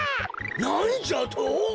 なんじゃと！？